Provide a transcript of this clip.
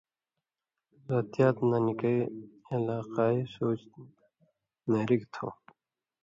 ذاتیات نہ نِکئی علاقاں سُوچ نیرِگ تھو۔